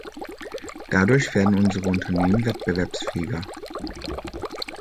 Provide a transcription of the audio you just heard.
Dadurch werden unsere Unternehmen wettbewerbsfähiger.